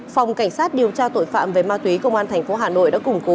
phòng cảnh sát điều tra tội phạm về ma túy công an thành phố hà nội đã củng cố tài liệu